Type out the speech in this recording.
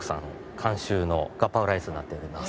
監修のガパオライスになっております。